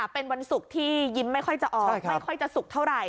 เป็นวันศุกร์ที่ยิ้มไม่ค่อยจะออกไม่ค่อยจะสุกเท่าไห